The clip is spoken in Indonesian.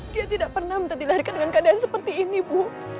dia tidak pernah dilahirkan dengan keadaan seperti ini bu